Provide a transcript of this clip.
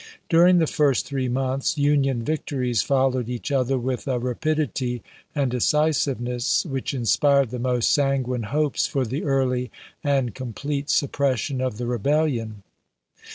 During the first three months Union victories followed each other with a rapidity and decisiveness which 1862. inspired the most sanguine hopes for the early and complete suppression of the Rebellion.